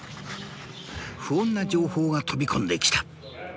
不穏な情報が飛び込んできた。